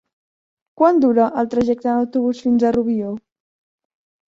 Quant dura el trajecte en autobús fins a Rubió?